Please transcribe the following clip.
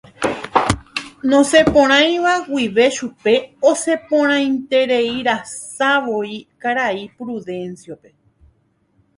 Nosẽporãiva guive chupe, osẽporãitereirasavoi karai Prudencio-pe.